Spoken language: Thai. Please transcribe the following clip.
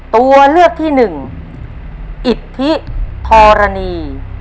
ตัวเลือกที่๑อิทธิธรณี